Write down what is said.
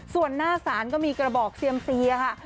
ส่วนหน้าศาลก็มีกระบอกเซียมซีค่ะ